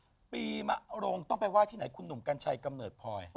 ปีมะรงต้องไปไห้ที่ไหนคุณหนุ่มกัญชัยกำเนิดพลอย